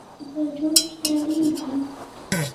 رسميات په څو بجو پیلیږي؟